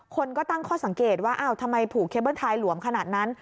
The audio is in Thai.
คนก็ตั้งข้อสังเกตว่าอ้าวทำไมผูกเคเบิ้ลไทยหลวมขนาดนั้น